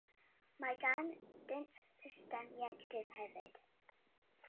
Mae ganddynt system ieuenctid hefyd.